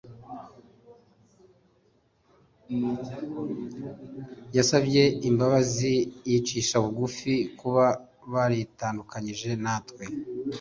Yasabye imbabazi yicishije bugu kuba baritandukanyije natwe